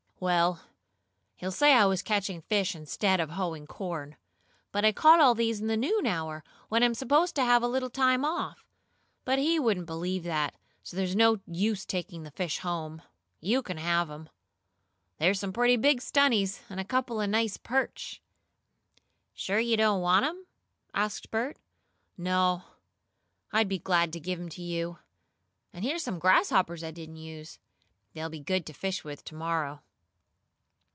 "Well, he'll say I was catching fish instead of hoeing corn. But I caught all these in the noon hour, when I'm supposed to have a little time off. But he wouldn't believe that, so there's no use taking the fish home. You can have 'em. There's some pretty big sunnies, and a couple o' nice perch." "Sure you don't want them?" asked Bert. "No. I'd be glad to give 'em to you. And here's some grasshoppers I didn't use. They'll be good to fish with to morrow."